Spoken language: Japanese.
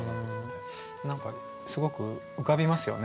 何かすごく浮かびますよね